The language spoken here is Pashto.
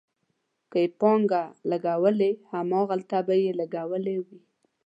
که یې پانګه لګولې، هماغلته به یې لګولې وي.